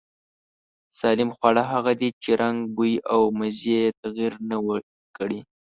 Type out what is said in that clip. سالم خواړه هغه دي چې رنگ، بوی او مزې يې تغير نه وي کړی.